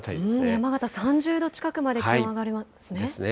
山形３０度近くまで気温、上がりますね。